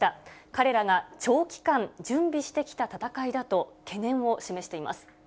彼らが長期間準備してきた戦いだと、懸念を示しています。